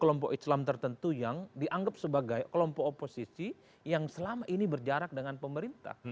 kelompok islam tertentu yang dianggap sebagai kelompok oposisi yang selama ini berjarak dengan pemerintah